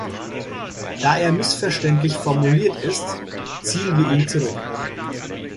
Da er missverständlich formuliert ist, ziehen wir ihn zurück.